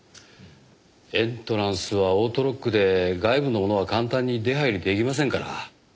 エントランスはオートロックで外部の者は簡単に出入り出来ませんから。